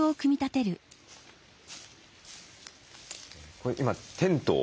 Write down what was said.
これ今テントを？